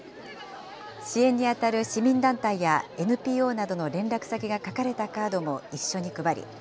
支援に当たる市民団体や、ＮＰＯなどの連絡先が書かれたカードも一緒に配り、